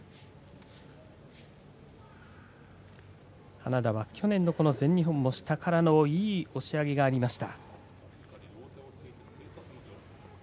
花田は去年のこの全日本も下からのいい押し上げがありました。